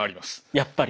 やっぱり。